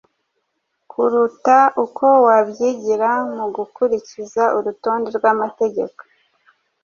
kuruta uko wabyigira mu gukurikiza urutonde rw’amategeko.